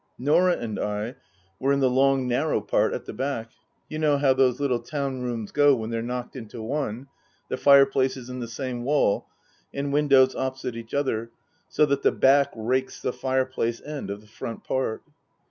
Book II : Her Book 161 Norah and I were in the long, narrow part at the back ; you know how those little town rooms go when they're knocked into one the fireplaces in the same wall and windows opposite each other, so that the back rakes the fireplace end of the front part.